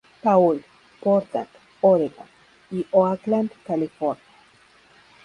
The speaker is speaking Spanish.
Paul, Portland, Oregon, y Oakland, California.